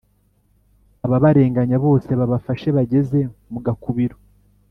Ababarenganya bose babafashe bageze mu gakubiro.